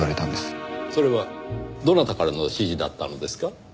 それはどなたからの指示だったのですか？